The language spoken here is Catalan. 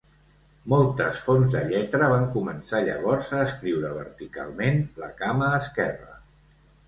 Moltes fonts de lletra van començar llavors a escriure verticalment la cama esquerra.